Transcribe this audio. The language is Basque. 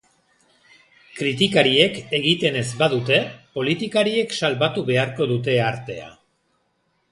Kritikariek egiten ez badute, politikariek salbatu beharko dute artea.